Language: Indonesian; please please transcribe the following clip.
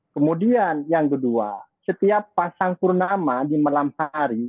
kemudian yang kedua setiap pasang purnama di malam hari